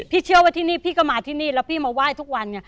เชื่อว่าที่นี่พี่ก็มาที่นี่แล้วพี่มาไหว้ทุกวันไง